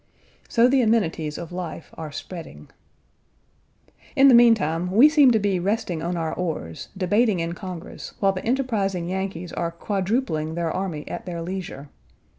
So the amenities of life are spreading. In the meantime we seem to be resting on our oars, debating in Congress, while the enterprising Yankees are quadrupling their army at their leisure.